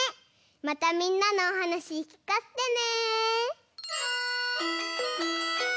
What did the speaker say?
またみんなのおはなしきかせてね。